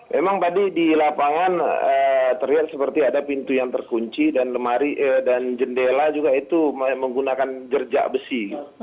memang tadi di lapangan terlihat seperti ada pintu yang terkunci dan lemari dan jendela juga itu menggunakan gerjak besi